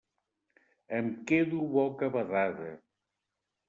Em quedo bocabadada.